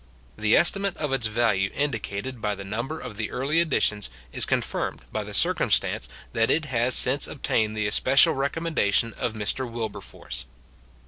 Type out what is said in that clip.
The es timate of its value indicated by the number of the early editions, is confirmed by the circumstance, that it has since obtained the especial recommendation of Mr. Wilberforce.